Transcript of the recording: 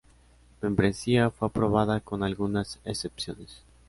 Membresía fue aprobada con algunas excepciones.